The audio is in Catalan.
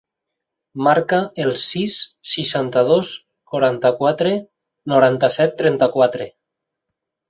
Marca el sis, seixanta-dos, quaranta-quatre, noranta-set, trenta-quatre.